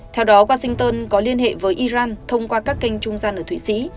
theo đó washington có liên hệ với iran thông qua các kênh trung gian ở thụy sĩ